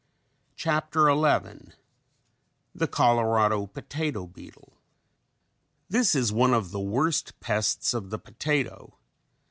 CHAPTER XI THE COLORADO POTATO BEETLE This is one of the worst pests of the potato.